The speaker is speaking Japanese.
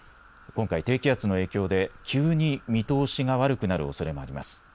今回、低気圧の影響で急に見通しが悪くなるおそれもあります。